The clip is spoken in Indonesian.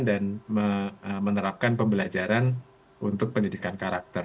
dan menerapkan pembelajaran untuk pendidikan karakter